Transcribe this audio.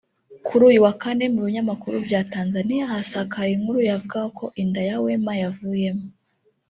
Kuri uyu wa Kane mu binyamakuru bya Tanzania hasakaye inkuru yavugaga ko inda ya Wema yavuyemo